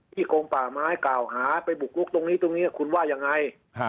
ที่โกงป่าไม้เก่าหาไปบุกลุกตรงนี้คุณว่ายังไง